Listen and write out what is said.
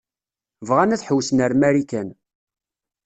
Bɣan ad ḥewwsen ar Marikan.